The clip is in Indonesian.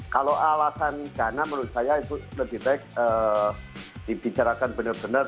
kalau alasan dana menurut saya itu lebih baik dibicarakan benar benar